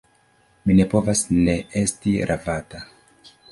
Mi ne povas ne esti ravata.